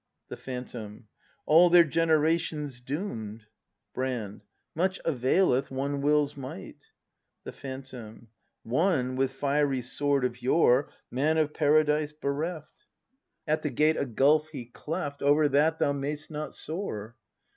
The Phantom. All their generation's doom'd. Brand. Much availeth one will's might. The Phantom. "One" with fiery sword of yore Man of Paradise bereft! 298 BRAND [act v At the gate a gulf he cleft; — Over that thou mayst not soar!